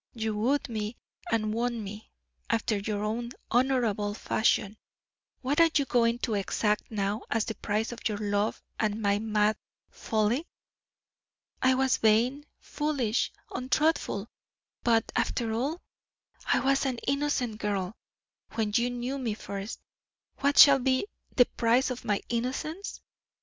You wooed me and won me, after your own honorable fashion what are you going to exact now as the price of your love and my mad folly? I was vain, foolish, untruthful, but, after all, I was an innocent girl when you knew me first. What shall be the price of my innocence?